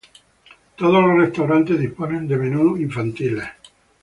Todos los restaurantes disponen de menú infantiles.